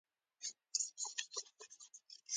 بې کاره انسان له غلو او نشه یانو سره مخ کیږي